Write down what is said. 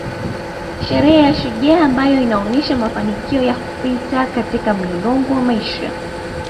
Sherehe ya shujaa ambayo inaonesha mafanikio ya kupita katika mlolongo wa maisha